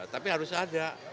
tapi harus ada